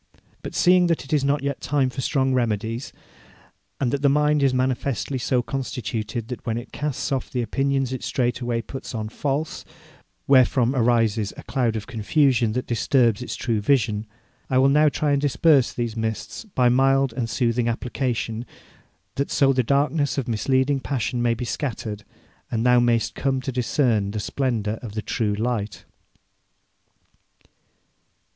But seeing that it is not yet time for strong remedies, and that the mind is manifestly so constituted that when it casts off true opinions it straightway puts on false, wherefrom arises a cloud of confusion that disturbs its true vision, I will now try and disperse these mists by mild and soothing application, that so the darkness of misleading passion may be scattered, and thou mayst come to discern the splendour of the true light.'